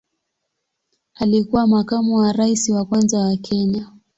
Alikuwa makamu wa rais wa kwanza wa Kenya.